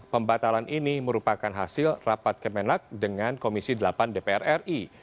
pembatalan ini merupakan hasil rapat kemenak dengan komisi delapan dpr ri